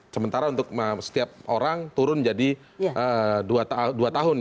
sementara untuk setiap orang turun jadi dua tahun